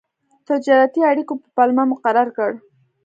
تجارتي اړیکو په پلمه مقرر کړ.